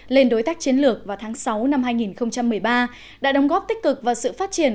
lên đối tác chiến lược vào tháng sáu năm hai nghìn một mươi ba đã đóng góp tích cực vào sự phát triển